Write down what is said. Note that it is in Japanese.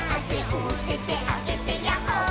「おててあげてヤッホー」